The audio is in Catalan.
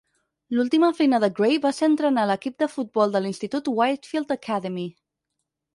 L'última feina de Gray va ser entrenar l'equip de futbol de l'institut Whitefield Academy.